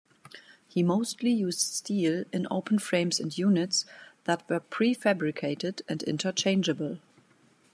He mostly used steel in open frames and units that were prefabricated and interchangeable.